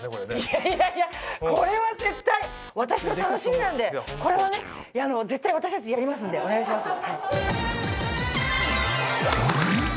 いやいやいやこれは絶対私は楽しみなんでこれは絶対私たちやりますんでお願いします。